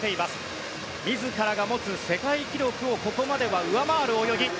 自らが持つ世界記録をここまで上回る泳ぎ。